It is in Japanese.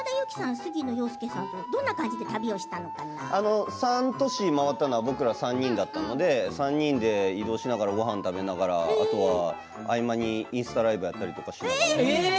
杉野遥亮さんとお城の前で３都市を回ったのは僕ら３人だったので３人で移動しながらごはんを食べながら合い間にインスタライブをそんなことまで？